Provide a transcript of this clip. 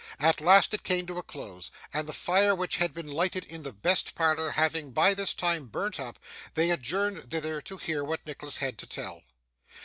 At last, it came to a close; and the fire which had been lighted in the best parlour having by this time burnt up, they adjourned thither, to hear what Nicholas had to tell.